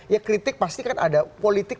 ya kritik pasti kan ada politik